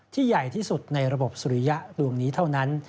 ใหญ่ที่สุดในระบบสุริยะรวมนี้เท่านั้น